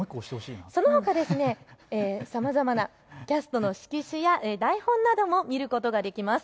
そのほかさまざまなキャストの色紙や台本なども見ることができます。